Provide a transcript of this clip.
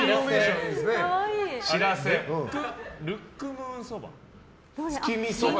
ルックムーンそば？